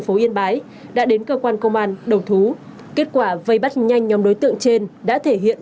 phố yên bái đã đến cơ quan công an đầu thú kết quả vây bắt nhanh nhóm đối tượng trên đã thể hiện